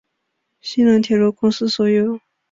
西南铁路公司所有。